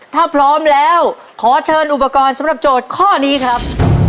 ถ้าพร้อมแล้วขอเชิญอุปกรณ์สำหรับโจทย์ข้อนี้ครับ